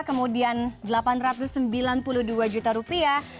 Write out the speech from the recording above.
kemudian delapan ratus sembilan puluh dua juta rupiah